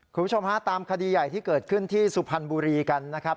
คุณผู้ชมฮะตามคดีใหญ่ที่เกิดขึ้นที่สุพรรณบุรีกันนะครับ